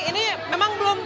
ini memang berbeda